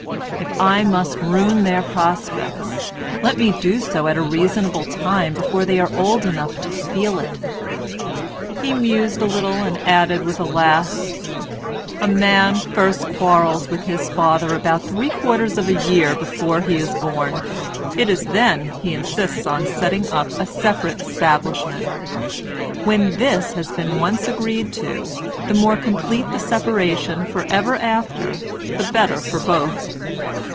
If I must ruin their prospects, let me do so at a reasonable time before they are old enough to feel it." He mused a little and added with a laugh:— "A man first quarrels with his father about three quarters of a year before he is born. It is then he insists on setting up a separate establishment; when this has been once agreed to, the more complete the separation for ever after the better for both."